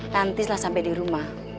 nanti setelah sampai di rumah